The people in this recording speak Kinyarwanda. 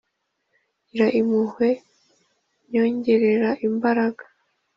gira impuhwe nyongerera imbaraga